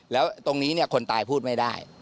แล้วตรงนี้คนตายพูดไม่ได้